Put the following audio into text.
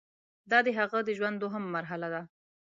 دا د هغه د ژوند دوهمه مرحله ده.